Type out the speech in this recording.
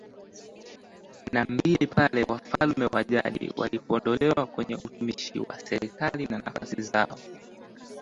na mbili pale Wafalme wa jadi walipoondolewa kwenye utumishi wa serikali na nafasi zao